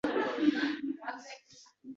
Chunki bunga o‘rganib qoldik.